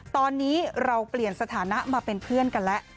ตอนนี้เราเปลี่ยนสถานะมาเป็นเพื่อนกันแล้ว